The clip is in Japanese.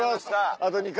あと２回。